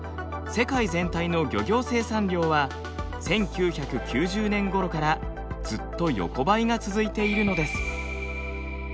世界全体の漁業生産量は１９９０年頃からずっと横ばいが続いているのです。